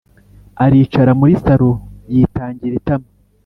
aricara muri sallo, yitangira itama